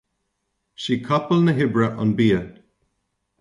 Sí capall na hoibre an bia